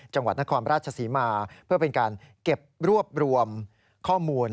จังหวัดนครราชศรีมาเพื่อเป็นการเก็บรวบรวมข้อมูล